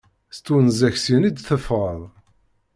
S twenza-k syen i d-teffɣeḍ